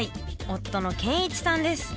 夫の賢一さんです。